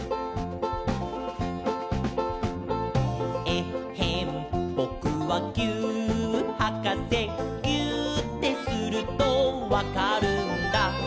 「えっへんぼくはぎゅーっはかせ」「ぎゅーってするとわかるんだ」